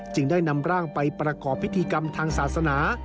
จึงได้นำร่างไปประกอบพิธีกรรมทางศาสนา